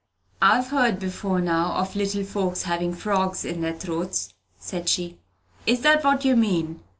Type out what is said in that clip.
"I've heard, before now, of little folks having frogs in their throats," said she. "Is that what you mean?"